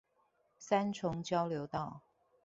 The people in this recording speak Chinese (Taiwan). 三重交流道